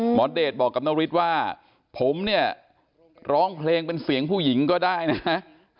เดชบอกกับนฤทธิ์ว่าผมเนี่ยร้องเพลงเป็นเสียงผู้หญิงก็ได้นะ